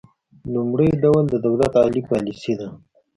لومړی ډول د دولت عالي پالیسي ده